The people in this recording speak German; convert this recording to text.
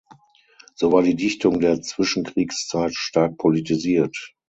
So war die Dichtung der Zwischenkriegszeit stark politisiert.